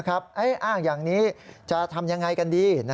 อ้างอย่างนี้จะทำยังไงกันดี